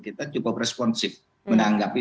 kita cukup responsif menanggapi